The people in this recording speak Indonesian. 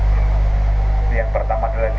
kemudian perangkat tersebut terjadi